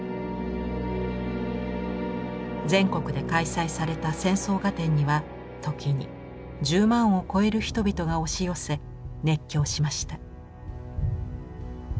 全国で開催された「戦争画展」には時に１０万を超える人々が押し寄せ熱狂しました。